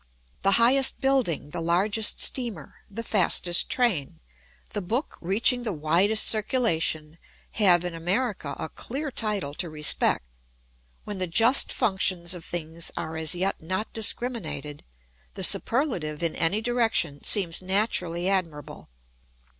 The highest building, the largest steamer, the fastest train, the book reaching the widest circulation have, in America, a clear title to respect. When the just functions of things are as yet not discriminated, the superlative in any direction seems naturally admirable.